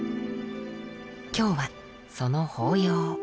今日はその法要。